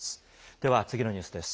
では次のニュースです。